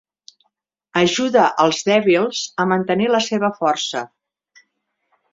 Ajuda els dèbils a mantenir la seva força.